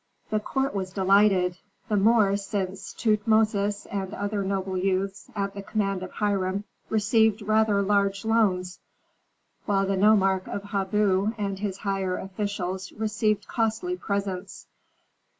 The court was delighted, the more since Tutmosis and other noble youths, at the command of Hiram, received rather large loans, while the nomarch of Habu and his higher officials received costly presents.